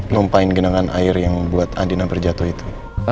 lompain genangan air yang buat adina berjatuh itu